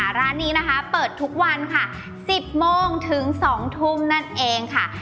อันนี้เปิดทุกวัน๑๐โมงถึง๒ทุ่มนั่นเองค่ะ